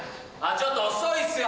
ちょっと遅いっすよ！